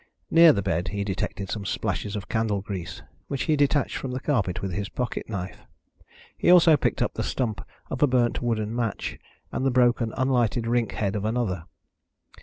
Near the bed he detected some splashes of candle grease, which he detached from the carpet with his pocket knife. He also picked up the stump of a burnt wooden match, and the broken unlighted rink head of another.